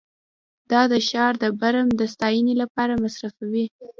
دا د ښار د برم د ستاینې لپاره مصرفوي